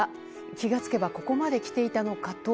気が付けばここまできていたのかと。